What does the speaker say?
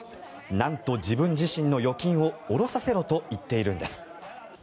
なんと自分自身の預金を下ろさせろと言っているんです。